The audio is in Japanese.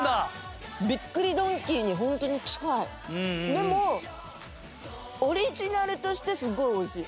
でもオリジナルとしてすごい美味しい。